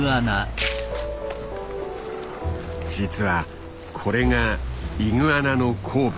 実はこれがイグアナの好物。